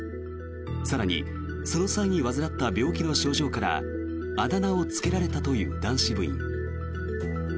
更にその際に患った病気の症状からあだ名をつけられたという男子部員。